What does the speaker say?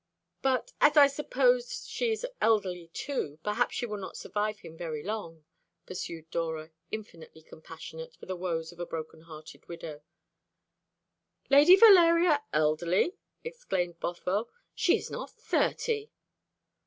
"But, as I suppose she is elderly too, perhaps she will not survive him very long," pursued Dora, infinitely compassionate for the woes of a broken hearted widow. "Lady Valeria elderly!" exclaimed Bothwell. "She is not thirty."